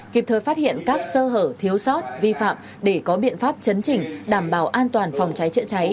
kịp thời phát hiện các sơ hở thiếu sót vi phạm để có biện pháp chấn chỉnh đảm bảo an toàn phòng cháy chữa cháy